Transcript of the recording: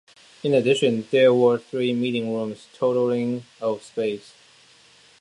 In addition, there were three meeting rooms, totaling of space.